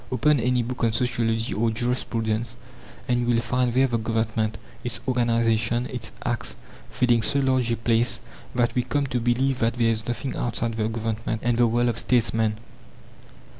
Open any book on sociology or jurisprudence, and you will find there the Government, its organization, its acts, filling so large a place that we come to believe that there is nothing outside the Government and the world of statesmen.